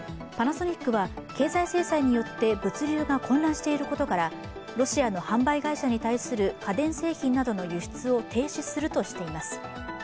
パナソニックは経済制裁によって物流が混乱していることからロシアの販売会社に対する家電製品などの輸出を停止するとしています。